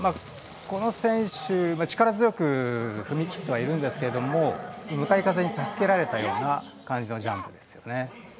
この選手は力強く踏み切ってはいるんですけど向かい風に助けられたような感じのジャンプです。